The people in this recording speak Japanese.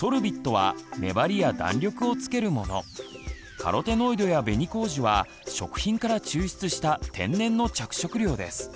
カロテノイドや紅麹は食品から抽出した天然の着色料です。